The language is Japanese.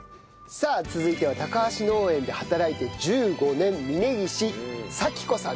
さあ続いては高橋農園で働いて１５年峯岸佐木子さんです。